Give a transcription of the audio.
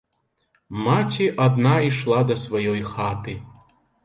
Маці адна ішла да сваёй хаты.